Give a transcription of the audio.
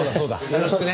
よろしくね。